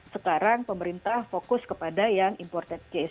sekarang pemerintah fokus kepada yang imported case